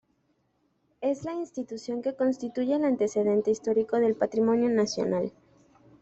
Es la institución que constituye el antecedente histórico del Patrimonio Nacional.